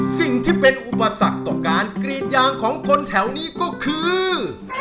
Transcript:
สิ่งที่เป็นอุปสรรคต่อการกรีดยางของคนแถวนี้ก็คือ